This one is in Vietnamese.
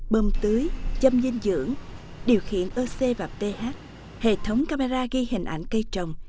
bơm tưới châm dinh dưỡng điều khiển ơ xê và ph hệ thống camera ghi hình ảnh cây trồng